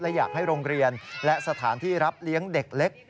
และอยากให้โรงเรียนและสถานที่รับเลี้ยงเด็กเล็ก